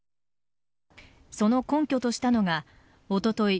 その根拠としたのがおととい